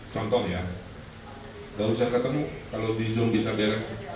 contoh ya nggak usah ketemu kalau di zoom bisa beres